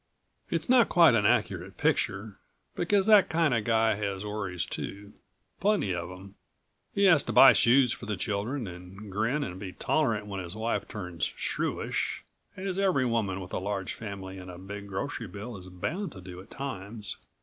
It's not quite an accurate picture, because that kind of guy has worries too plenty of them. He has to buy shoes for the children and grin and be tolerant when his wife turns shrewish, as every woman with a large family and a big grocery bill is bound to do at times.